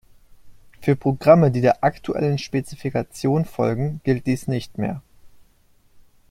Für Programme, die der aktuellen Spezifikationen folgen, gilt dies nicht mehr.